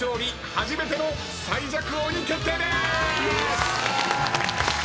初めての最弱王に決定です。